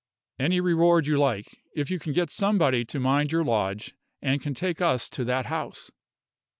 "Any reward you like, if you can get somebody to mind your lodge, and can take us to that house."